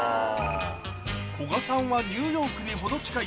古賀さんはニューヨークに程近い